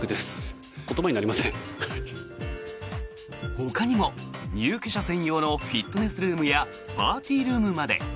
ほかにも入居者専用のフィットネスルームやパーティールームまで。